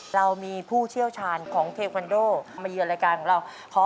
นั่นเดี๋ยวก่อนรับอรัยญาไว้นะคะ